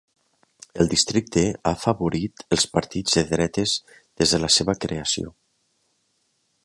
El districte ha afavorit els partits de dretes des de la seva creació.